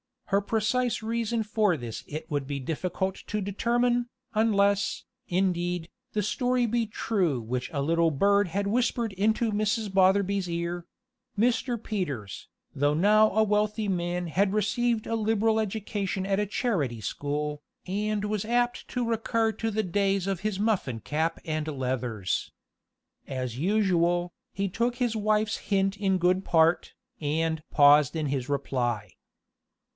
Her precise reason for this it would be difficult to determine, unless, indeed, the story be true which a little bird had whispered into Mrs. Botherby's ear Mr. Peters, though now a wealthy man had received a liberal education at a charity school, and was apt to recur to the days of his muffin cap and leathers. As usual, he took his wife's hint in good part, and "paused in his reply."